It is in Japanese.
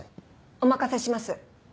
お任せします。